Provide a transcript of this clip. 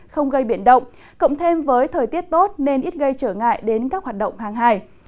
không gây biển động cộng thêm với thời tiết tốt nên ít gây trở ngại đến các hoạt động hàng hải